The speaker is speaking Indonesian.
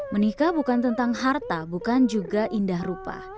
menikah bukan tentang harta bukan juga indah rupa